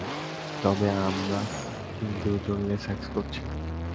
তবে আমরা কিন্তু জমিয়ে সেক্স করছি!